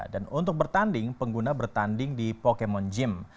dan untuk bertanding pengguna bertanding di pokemon gym